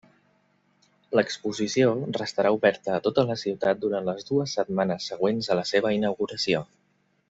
L'exposició restarà oberta a tota la ciutat durant les dues setmanes següents a la seva inauguració.